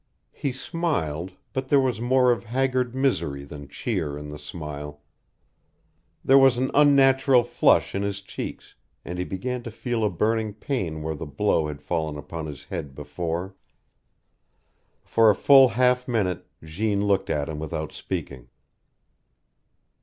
He smiled, but there was more of haggard misery than cheer in the smile. There was an unnatural flush in his cheeks, and he began to feel a burning pain where the blow had fallen upon his head before. For a full half minute Jeanne looked at him without speaking.